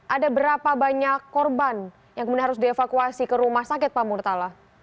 ada berapa banyak korban yang kemudian harus dievakuasi ke rumah sakit pak murtala